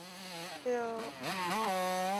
滇缅短尾鼩被发现在中国和缅甸。